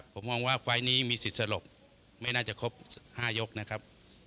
ผมมองว่าไฟล์นี้มีสิทธิ์สลบไม่น่าจะครบ๕ยกนะครับ